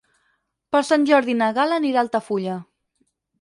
Per Sant Jordi na Gal·la anirà a Altafulla.